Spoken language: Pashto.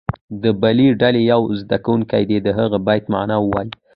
د بلې ډلې یو زده کوونکی دې د هغه بیت معنا ووایي.